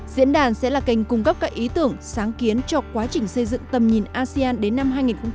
diễn đàn sẽ là kênh cung cấp các ý tưởng sáng kiến cho quá trình xây dựng tầm nhìn asean đến năm hai nghìn bốn mươi năm